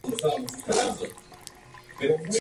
La estatua del Amo fue interpretada por Graham Cole.